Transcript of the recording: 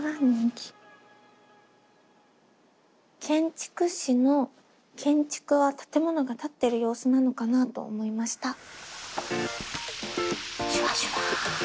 「建築士」の「建築」は建物が建ってる様子なのかなと思いました。